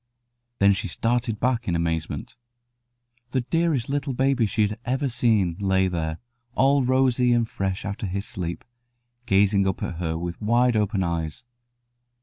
Then she started back in amazement. The dearest little baby she had ever seen lay there, all rosy and fresh after his sleep, gazing up at her with wide open eyes.